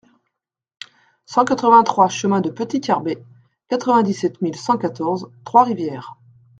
cent quatre-vingt-trois chemin de Petit Carbet, quatre-vingt-dix-sept mille cent quatorze Trois-Rivières